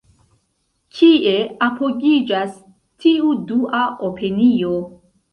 Kie apogiĝas tiu dua opinio?